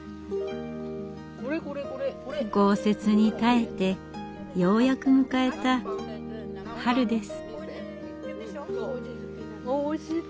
豪雪に耐えてようやく迎えた春です。